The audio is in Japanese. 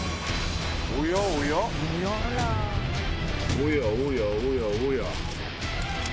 おやおやおやおや。